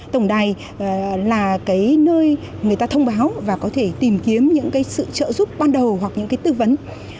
tổng đài là nơi người ta thông báo và có thể tìm kiếm những sự trợ giúp ban đầu hoặc những tư vấn